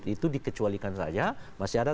itu dikecualikan saja masih ada